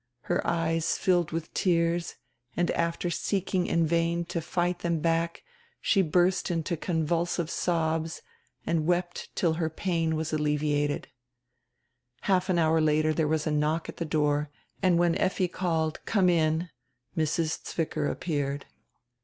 Her eyes filled widi tears and after seeking in vain to fight diem back she burst into convulsive sobs and wept till her pain was alleviated Half an hour later diere was a knock at die door and when Effi called: "Come in!" Mrs. Zwicker appeared.